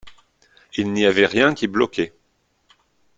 Il n’y avait rien qui bloquait.